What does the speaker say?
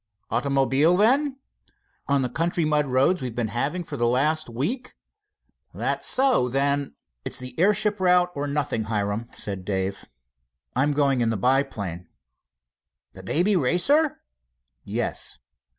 "Automobile, then?" "On the country mud roads we've been having for the last week?" "That's so. Then " "It's the airship route or nothing, Hiram," said Dave. "I'm going in the biplane." "The Baby Racer?" "Yes."